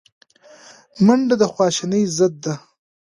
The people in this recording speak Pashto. منډه د خواشینۍ ضد ده